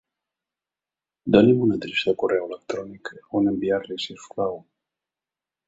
Doni'm una adreça de correu electrònic a on enviar-li si us plau.